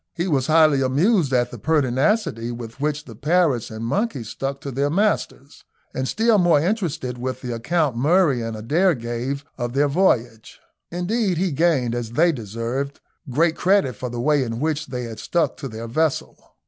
He was highly amused at the pertinacity with which the parrots and monkey stuck to their masters, and still more interested with the account Murray and Adair gave of their voyage. Indeed, they gained, as they deserved, great credit for the way in which they had stuck to their vessel.